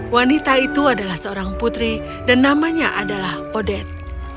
wanita itu adalah seorang putri dan namanya adalah odet